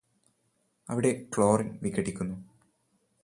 അവിടെ ക്ലോറിന് വിഘടിക്കുന്നു